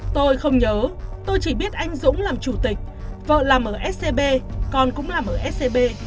tôi không nhớ tôi chỉ biết anh dũng làm chủ tịch vợ làm ở scb còn cũng làm ở scb